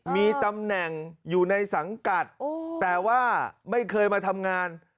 มีตำแหน่งอยู่ในสังกัดแต่ว่าไม่เคยมาทำงาน